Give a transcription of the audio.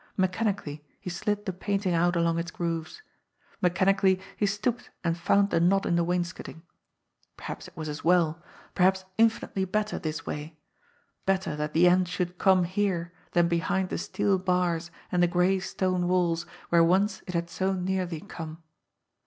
Mechanically he slid the painting out along its grooves; mechanically he stooped and found the knot in the wains coting. Perhaps it was as well, perhaps infinitely better this way, better that the end should come here than behind the steel bars and the gray stone walls where once it had so nearly come.